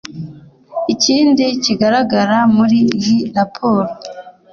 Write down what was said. Ikindi kigaragara muri iyi raporo